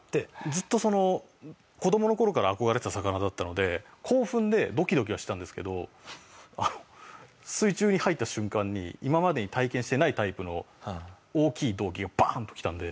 ずっとその子どもの頃から憧れてた魚だったので興奮でドキドキはしてたんですけど水中に入った瞬間に今までに体験してないタイプの大きい動悸がバーン！ときたんで。